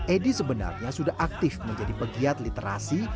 edi sebenarnya sudah aktif menjadi pegiat literasi